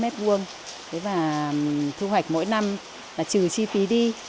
thế và thu hoạch mỗi năm là trừ chi phí đi